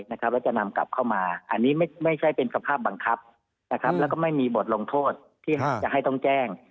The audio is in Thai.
แล้วจะนำกลับเข้ามาอันนี้ไม่ใช่เป็นสภาพบังคับแล้วก็ไม่มีบทลงโทษที่จะให้ต้องแจ้ง